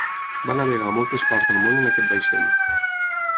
Va navegar a moltes parts del món en aquest vaixell.